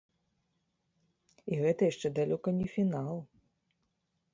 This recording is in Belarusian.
І гэта яшчэ далёка не фінал.